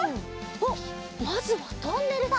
おっまずはトンネルだ。